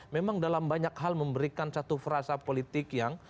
memang dalam banyak hal memberikan satu frasa politik yang